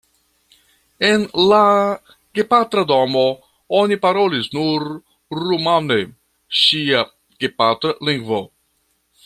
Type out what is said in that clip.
En la gepatra domo oni parolis nur rumane, ŝia gepatra lingvo.